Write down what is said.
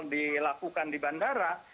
dilakukan di bandara